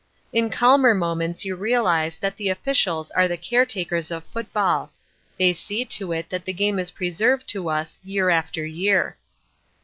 In calmer moments you realize that the officials are the caretakers of football. They see to it that the game is preserved to us year after year.